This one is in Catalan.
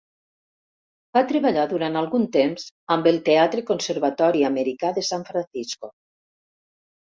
Va treballar durant algun temps amb el Teatre Conservatori Americà de San Francisco.